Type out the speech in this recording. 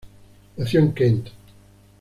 Nació en Kent.